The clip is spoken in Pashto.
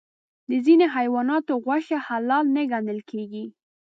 د ځینې حیواناتو غوښه حلال نه ګڼل کېږي.